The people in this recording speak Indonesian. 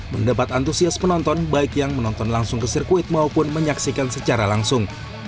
mendapat antusias penonton baik yang menonton langsung ke sirkuit maupun menyaksikan secara langsung